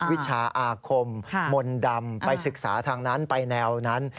วิชาอาคมมนต์ดำไปศึกษาทางนั้นไปแนวนั้น